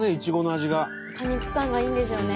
果肉感がいいんですよね。